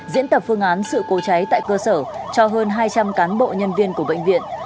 diễn tập phương án sự cố cháy tại cơ sở cho hơn hai trăm linh cán bộ nhân viên của bệnh viện